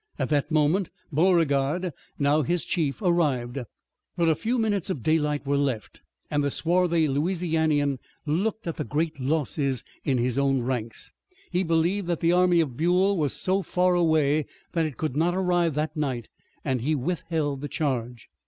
At that moment Beauregard, now his chief, arrived. But a few minutes of daylight were left and the swarthy Louisianian looked at the great losses in his own ranks. He believed that the army of Buell was so far away that it could not arrive that night and he withheld the charge.